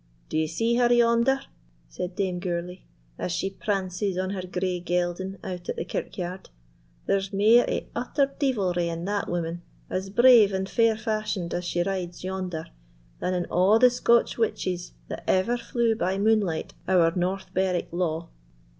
"D'ye see her yonder," said Dame Gourlay, "as she prances on her grey gelding out at the kirkyard? There's mair o' utter deevilry in that woman, as brave and fair fashioned as she rides yonder, than in a' the Scotch withces that ever flew by moonlight ower North Berwick Law."